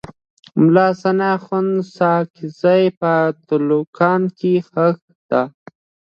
ملا حسن اخند ساکزی په تلوکان کي ښخ دی.